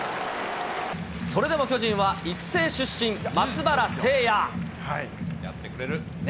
それでも巨人は、育成出身、松原せいや。